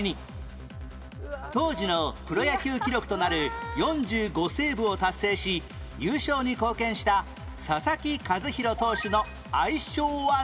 当時のプロ野球記録となる４５セーブを達成し優勝に貢献した佐々木主浩投手の愛称は何？